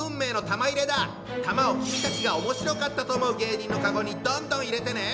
玉を君たちが面白かったと思う芸人のカゴにどんどん入れてね！